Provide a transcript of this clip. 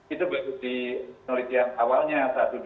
itu berarti penelitian awalnya satu dua